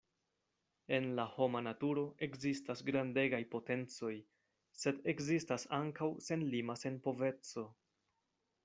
En la homa naturo ekzistas grandegaj potencoj, sed ekzistas ankaŭ senlima senpoveco.